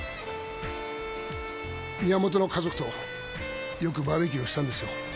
宮元の家族とよくバーベキューをしたんですよ。